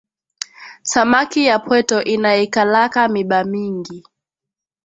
Samaki ya pweto inaikalaka miba mingi